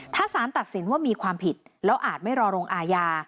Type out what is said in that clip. ถ้าสารตัดสินว่ามีความผิดแล้วอาจไม่รอลงอาญา